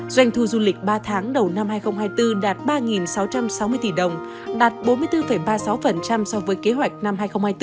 doanh thu du lịch ba tháng đầu năm hai nghìn hai mươi bốn đạt ba sáu trăm sáu mươi tỷ đồng đạt bốn mươi bốn ba mươi sáu so với kế hoạch năm hai nghìn hai mươi bốn